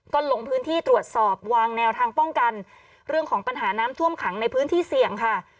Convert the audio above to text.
ก็ลงพื้นที่ตรวจสอบวางแนวทางป้องกันเรื่องของปัญหาน้ำท่วมขังในพื้นที่เสี่ยงค่ะ